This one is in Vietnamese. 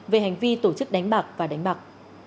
về hành vi tổ chức đánh bạc và đánh bạc